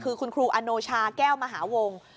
คือคุณครูอโนชาแก้วมหาวงศ์